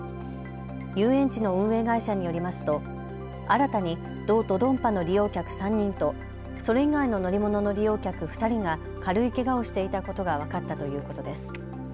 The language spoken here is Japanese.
遊園地の運営会社によりますと新たにド・ドドンパの利用客３人とそれ以外の乗り物の利用客２人が、軽いけがをしていたことが分かったということです。